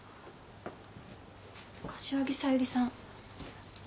柏木小百合さん。